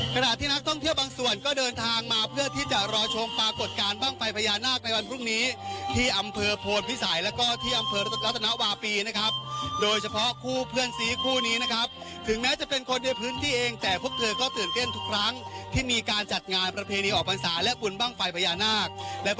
ขณะที่นักท่องเที่ยวบางส่วนก็เดินทางมาเพื่อที่จะรอชมปรากฏการณ์บ้างไฟพญานาคในวันพรุ่งนี้ที่อำเภอโพนพิสัยแล้วก็ที่อำเภอรัตนวาปีนะครับโดยเฉพาะคู่เพื่อนซีคู่นี้นะครับถึงแม้จะเป็นคนในพื้นที่เองแต่พวกเธอก็ตื่นเต้นทุกครั้งที่มีการจัดงานประเพณีออกพรรษาและบุญบ้างไฟพญานาค